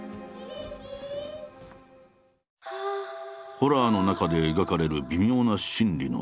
ホラーの中で描かれる微妙な心理の揺れ。